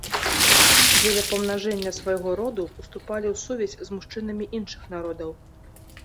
Дзеля памнажэння свайго роду ўступалі ў сувязь з мужчынамі іншых народаў.